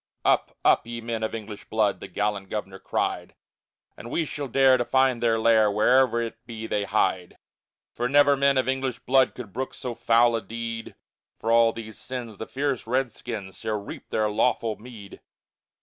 II Up, up, ye men of English blood! The gallant governor cried, And we shall dare to find their lair, Where'er it be they hide. For never men of English blood Could brook so foul a deed, For all these sins the fierce redskins Shall reap their lawful meed.